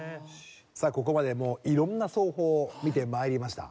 さあここまでいろんな奏法を見て参りました。